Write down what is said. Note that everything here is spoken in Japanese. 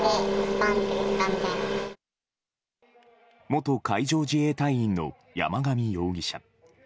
元海上自衛隊員の山上容疑者。